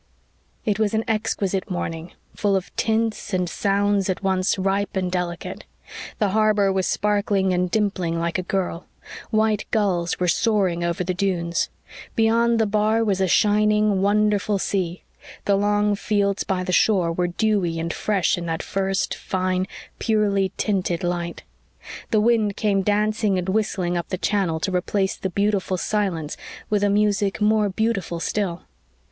It was an exquisite morning, full of tints and sounds at once ripe and delicate. The harbor was sparkling and dimpling like a girl; white gulls were soaring over the dunes; beyond the bar was a shining, wonderful sea. The long fields by the shore were dewy and fresh in that first fine, purely tinted light. The wind came dancing and whistling up the channel to replace the beautiful silence with a music more beautiful still.